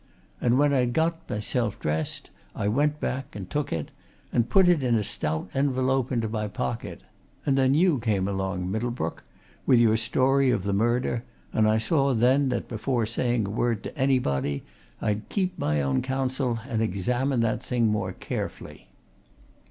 And when I'd got myself dressed, I went back and took it, and put it in a stout envelope into my pocket and then you came along, Middlebrook, with your story of the murder, and I saw then that before saying a word to anybody, I'd keep my own counsel and examine that thing more carefully.